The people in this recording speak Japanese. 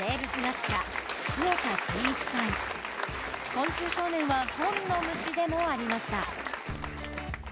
昆虫少年は本の虫でもありました。